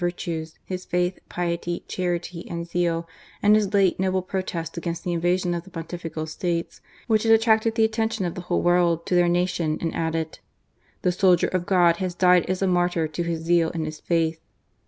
virtues, his faith, piety, charity, and zeal, and his Jate noble protest against the invasion of the Pon tifical States, which had attracted the attention of the whole world to their nation, and added :" The soldier of God has died as a martyr to his zeal and his faith."